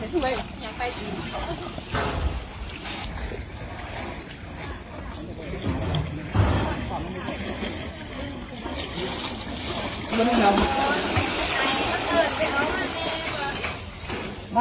สวัสดีครับ